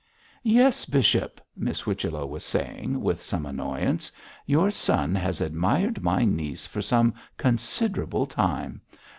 'Yes, bishop,' Miss Whichello was saying, with some annoyance, 'your son has admired my niece for some considerable time.